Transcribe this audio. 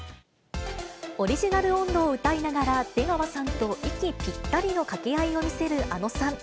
オリジナル音頭を歌いながら、出川さんと息ぴったりの掛け合いを見せるあのさん。